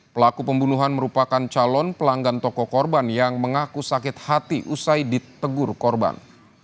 pelaku pembunuhan merupakan calon pelanggan toko korban yang mengaku sakit hati usai ditegur korban